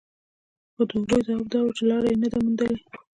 خو د هغوی ځواب دا و چې لاره يې نه ده موندلې.